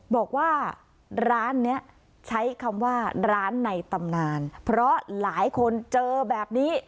บอกว่าร้านนี้ใช้คำว่าร้านในตำนานเพราะหลายคนเจอแบบนี้